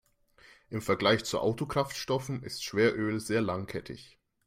Im Vergleich zu Autokraftstoffen ist Schweröl sehr langkettig.